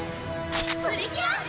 プリキュア！